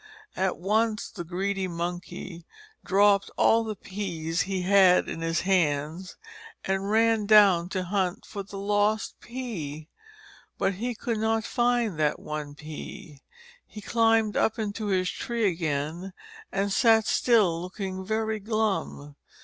At once the greedy Monkey dropped all the peas he had in his hands, and ran down to hunt for the lost pea. But he could not find that one pea. He climbed up into his tree again, and sat still looking very glum.